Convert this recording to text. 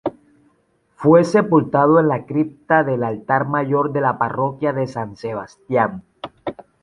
Fue sepultado en la cripta del altar mayor de la parroquia de San Sebastián.